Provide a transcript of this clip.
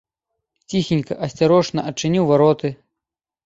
Ціхенька, асцярожна адчыніў вароты.